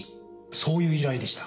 そういう依頼でした。